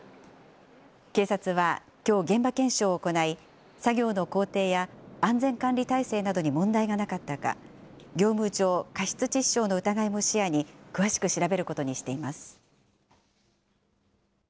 警察は、きょう現場検証を行い、作業の工程や安全管理体制などに問題がなかったか、業務上過失致死傷の疑いも視野に、詳しく調べることにしています。